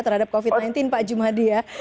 terhadap covid sembilan belas pak jumadi ya